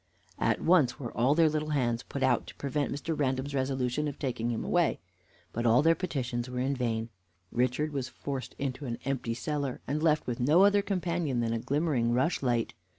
At once were all their little hands put out to prevent Mr. Random's resolution of taking him away, but all their petitions were in vain. Richard was forced into an empty cellar, and left with no other companion than a glimmering rushlight.